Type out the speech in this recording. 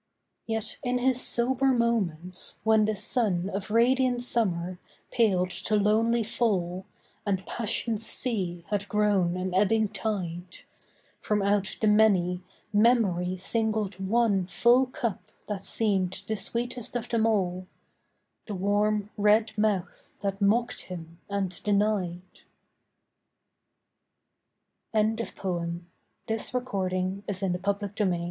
Yet in his sober moments, when the sun Of radiant summer paled to lonely fall, And passion's sea had grown an ebbing tide, From out the many, Memory singled one Full cup that seemed the sweetest of them all— The warm red mouth that mocked him and denied. HELEN OF TROY ON THE ISLE OF CRANAE The world